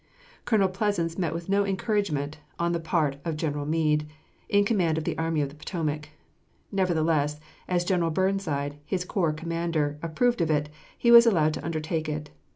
Colonel Pleasants met with no encouragement on the part of General Meade, in command of the Army of the Potomac; nevertheless, as General Burnside, his corps commander, approved of it, he was allowed to undertake it.